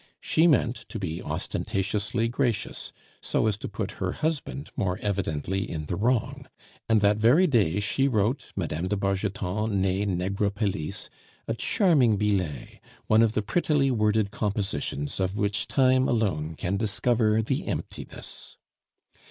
She meant to be ostentatiously gracious, so as to put her husband more evidently in the wrong; and that very day she wrote, "Mme. de Bargeton nee Negrepelisse" a charming billet, one of the prettily worded compositions of which time alone can discover the emptiness.